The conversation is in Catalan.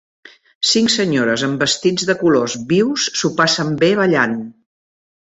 Cinc senyores amb vestits de colors vius s'ho passen bé ballant.